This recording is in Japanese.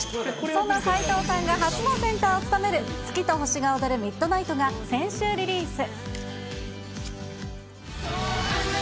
そんな齊藤さんが初のセンターを務める月と星が踊るＭｉｄｎｉｇｈｔが先週リリース。